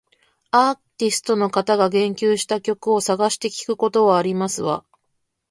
アーティストの方が言及した曲を探して聞くことはありますわ